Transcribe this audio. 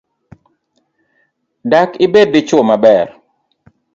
Dak ibed dichuo maber?